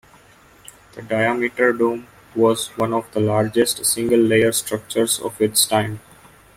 The diameter dome was one of the largest single-layer structures of its time.